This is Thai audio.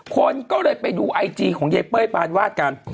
คนก็เลยไปดูไอจีของยายเป้ยปานวาดกัน